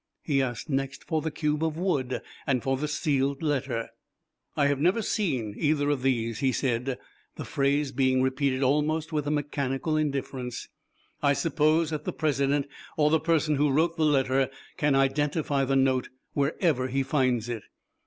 He asked next for the cube of wood and for the sealed letter. "I have never seen either of these," he said, the phrase being repeated almost with a mechanical indifference. "I suppose that the President or the person who wrote the letter can identify the note wherever he finds it."